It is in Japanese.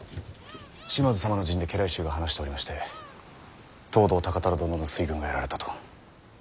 島津様の陣で家来衆が話しておりまして藤堂高虎殿の水軍がやられたと。